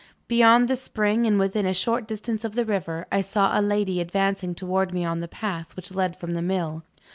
Beyond the spring, and within a short distance of the river, I saw a lady advancing towards me on the path which led from the mill.